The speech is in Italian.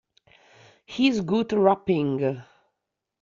His Gut-Rupping!...